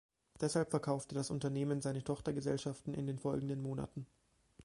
Deshalb verkaufte das Unternehmen seine Tochtergesellschaften in den folgenden Monaten.